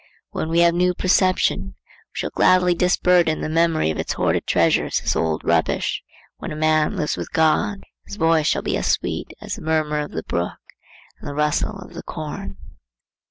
When we have new perception, we shall gladly disburden the memory of its hoarded treasures as old rubbish. When a man lives with God, his voice shall be as sweet as the murmur of the brook and the rustle of the corn.